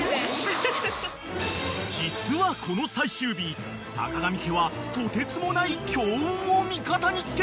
［実はこの最終日さかがみ家はとてつもない強運を味方に付けていた］